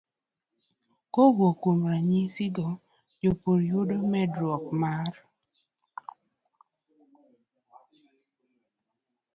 Kowuok kuom ranyisi go, jopur yudo medruok mar